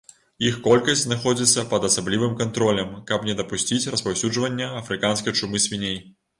Іх колькасць знаходзіцца пад асаблівым кантролем, каб не дапусціць распаўсюджвання афрыканскай чумы свіней.